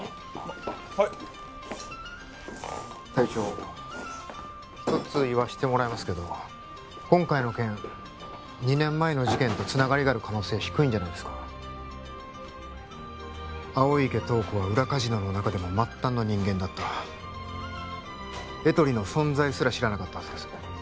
はい隊長一つ言わせてもらいますけど今回の件２年前の事件とつながりがある可能性低いんじゃないですか青池透子は裏カジノの中でも末端の人間だったエトリの存在すら知らなかったはずです